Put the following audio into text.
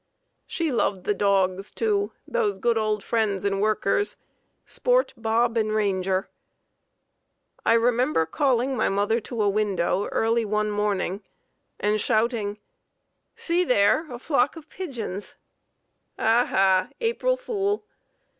She loved the dogs, too, those good old friends and workers, Sport, Bob, and Ranger. I remember calling my mother to a window early one morning and shouting: "See there! a flock of pigeons! Ah, ha! April fool!"